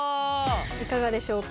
いかがでしょうか。